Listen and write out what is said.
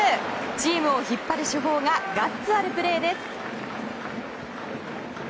チームを引っ張る主砲がガッツあるプレーです。